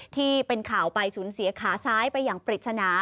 ที่เป็นข่าวไปสูญเสียขาซ้ายไปอย่างปริศนา